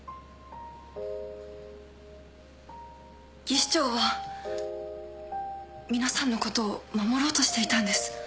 技師長は皆さんのことを守ろうとしていたんです。